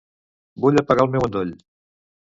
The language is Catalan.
Vull apagar el meu endoll.